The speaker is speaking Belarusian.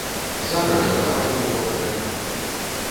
Зараз жа давай другога каня!